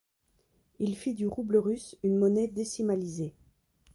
Il fit du rouble russe une monnaie décimalisée.